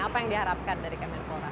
apa yang diharapkan dari kemenpora